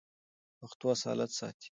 پښتو اصالت ساتي.